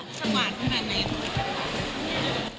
สะหวานเท่านั้นเนี่ย